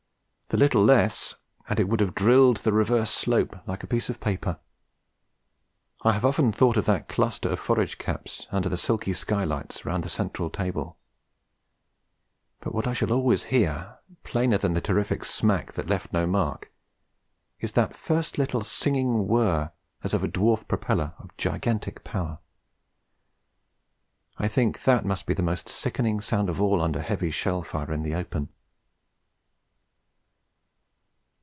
'The little less,' and it would have drilled the reverse slope like a piece of paper. I have often thought of that cluster of forage caps, under the silky skylights, round the central table; but what I shall always hear, plainer than the terrific smack that left no mark, is that first little singing whirr as of a dwarf propeller of gigantic power. I think that must be the most sickening sound of all under heavy shell fire in the open.